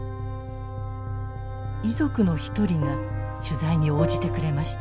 遺族の一人が取材に応じてくれました。